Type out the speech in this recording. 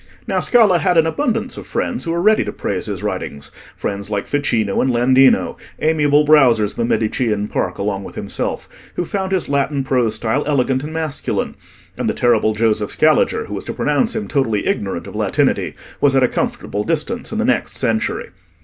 Now Scala had abundance of friends who were ready to praise his writings: friends like Ficino and Landino—amiable browsers in the Medicean park along with himself—who found his Latin prose style elegant and masculine; and the terrible Joseph Scaliger, who was to pronounce him totally ignorant of Latinity, was at a comfortable distance in the next century.